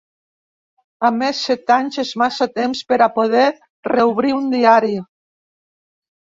A més, set anys és massa temps per a poder reobrir un diari.